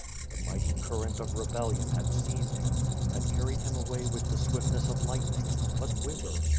The mighty current of rebel lion had seized him, had carried him away with the swiftness of lightning, but whither?